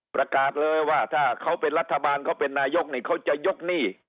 ประกาศเลยว่าถ้าเขาเป็นรัฐบาลเขาเป็นนายกนี่เขาจะยกหนี้